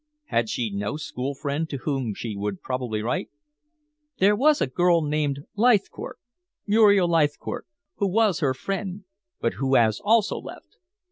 "Had she no school friend to whom she would probably write?" "There was a girl named Leithcourt Muriel Leithcourt who was her friend, but who has also left."